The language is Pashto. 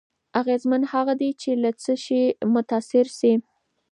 اغېزمن هغه دی چې له څه شي متأثر شي.